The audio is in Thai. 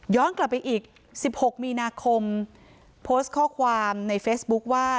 กลับไปอีก๑๖มีนาคมโพสต์ข้อความในเฟซบุ๊คว่า